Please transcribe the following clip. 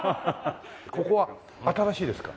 ここは新しいですか？